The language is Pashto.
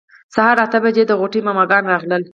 سهار اته بجې د غوټۍ ماما ګان راغلل.